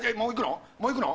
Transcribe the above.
もういくの？